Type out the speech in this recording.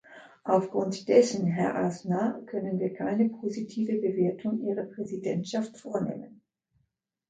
Aufgrund dessen, Herr Aznar, können wir keine positive Bewertung Ihrer Präsidentschaft vornehmen.